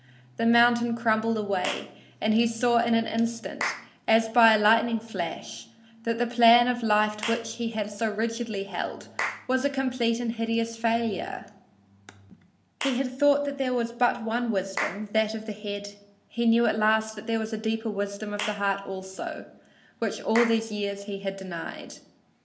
The mountain crumbled away, and he saw in an instant, as by a lightning flash, that the plan of life to which he had so rigidly held was a complete and hideous failure. He had thought there was but one wisdom, that of the head; he knew at last that there was a deeper wisdom of the heart also, which all these years he had denied!